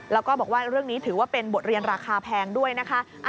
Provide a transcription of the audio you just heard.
แล้วก็บอกว่าเรื่องนี้ถือว่าเป็นบทเรียนราคาแพงด้วยนะคะ